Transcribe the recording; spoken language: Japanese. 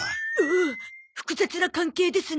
おお複雑な関係ですな。